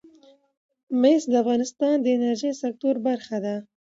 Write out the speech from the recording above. مس د افغانستان د انرژۍ سکتور برخه ده.